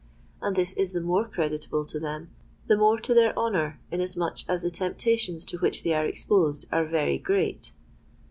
And this is the more creditable to them—the more to their honour, inasmuch as the temptations to which they are exposed are very great.